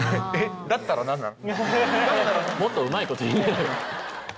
だったら何なの？